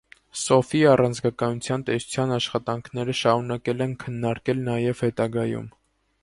Սոֆիի առաձգականության տեսության աշխատանքները շարունակվել են քննարկել նաև հետագայում։